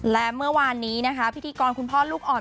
และเมื่อวานนี้นะคะพิธีกรคุณพ่อลูกอ่อน